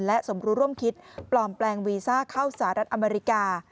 และสมรู้ร่วมคิดปลอมแปลงวีซ่าเข้าสหรัฐอเมริกา